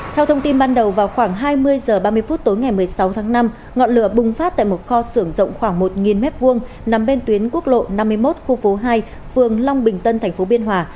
theo thông tin ban đầu vào khoảng hai mươi h ba mươi phút tối ngày một mươi sáu tháng năm ngọn lửa bùng phát tại một kho xưởng rộng khoảng một m hai nằm bên tuyến quốc lộ năm mươi một khu phố hai phường long bình tân tp biên hòa